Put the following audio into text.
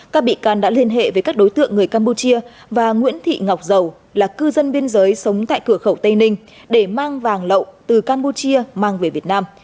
các bị can đã liên hệ với các đối tượng người campuchia và nguyễn thị ngọc dầu là cư dân biên giới sống tại cửa khẩu tây ninh để mang vàng lậu từ campuchia mang về việt nam